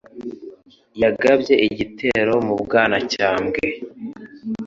yagabye igitero mu Bwanacyambwe.